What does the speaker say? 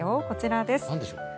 こちらです。